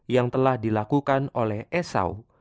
yang telah dilakukan oleh esau